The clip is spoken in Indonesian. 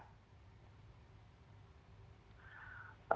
terima kasih pak